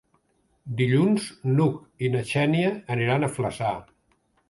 Dilluns n'Hug i na Xènia aniran a Flaçà.